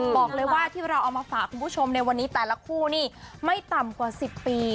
บอกเลยว่าที่เราเอามาฝากคุณผู้ชมในวันนี้แต่ละคู่นี่ไม่ต่ำกว่า๑๐ปี